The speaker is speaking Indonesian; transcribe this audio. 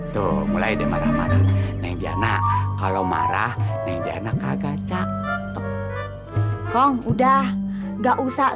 tuh mulai marah marah kalau marah kagak cak kong udah nggak usah